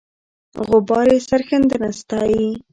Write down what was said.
غبار یې سرښندنه ستایي.